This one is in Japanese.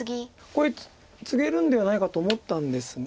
ここへツゲるんではないかと思ったんですが。